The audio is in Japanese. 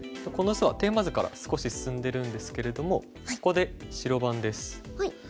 この図はテーマ図から少し進んでるんですけれどもここで白番です。